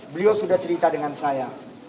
beliau sudah cerita dengan saya